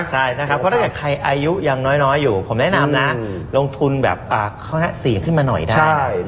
เพราะถ้าใครอายุยังน้อยอยู่ผมแนะนำลงทุนข้าวสีขึ้นมาหน่อยได้